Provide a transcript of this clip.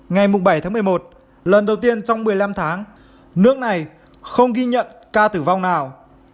ngày bảy tháng một mươi một lần đầu tiên trong một mươi năm tháng nước này không ghi nhận ca tử vong nào